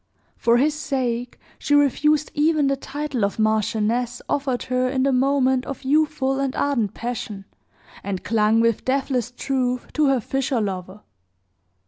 For his sake she refused even the title of marchioness, offered her in the moment of youthful and ardent passion, and clung, with deathless truth, to her fisher lover.